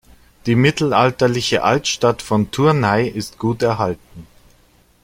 Die mittelalterliche Altstadt von Tournai ist gut erhalten.